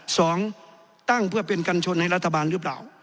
สองตั้งเพื่อเป็นกัญชนให้รัฐบาลหรือเปล่า